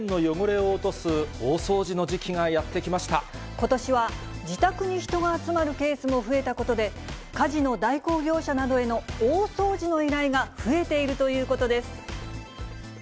ことしは自宅に人が集まるケースも増えたことで、家事の代行業者などへの大掃除の依頼が増えているということです。